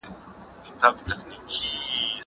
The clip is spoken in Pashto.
هغه څوک چي کالي مينځي منظم وي!